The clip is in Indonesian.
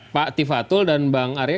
pak tifatul dan bang arya